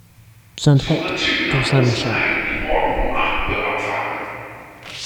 Suche Züge nach Rosenheim, die morgen um acht Uhr abfahren.